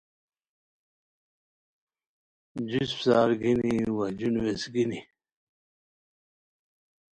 جو اسپڅارگینی وا جو نویس گینی